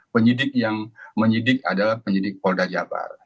penyidik yang menyidik adalah penyidik polres jawa barat